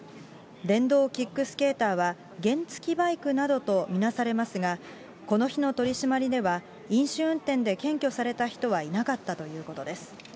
電動キックスケーターは原付きバイクなどと見なされますが、この日の取締りでは、飲酒運転で検挙された人はいなかったということです。